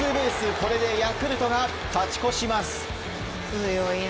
これでヤクルトが勝ち越します。